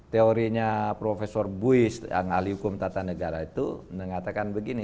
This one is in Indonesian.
teorinya profesor buis yang ahli hukum tata negara itu mengatakan begini